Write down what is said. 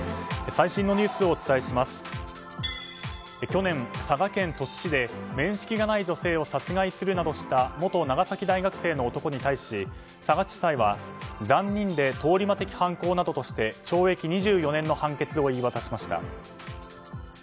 去年、佐賀県鳥栖市で面識がない女性を殺害するなどした元長崎大学生の男に対し佐賀地裁は残忍で通り魔的犯行などとして懲役２４年の判決を言い渡しました。